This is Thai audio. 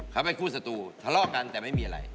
เขาเป็นคู่สตูทะเลาะกันแต่ไม่มีอะไร